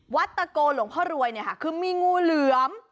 ตะโกหลวงพ่อรวยเนี่ยค่ะคือมีงูเหลือม